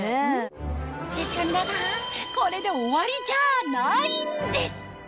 ですが皆さんこれで終わりじゃあないんです